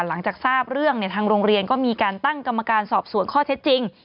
หลังจากทราบเรื่องทางโรงเรียนก็มีการตั้งกรรมการสอบสวนข้อเท็จจริง